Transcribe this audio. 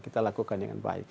kita lakukan dengan baik